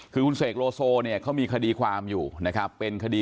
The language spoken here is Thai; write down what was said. คือคุณเสกโลโซเนี่ยเขามีคดีความอยู่นะครับเป็นคดี